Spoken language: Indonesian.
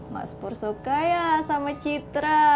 mas pur suka ya sama citra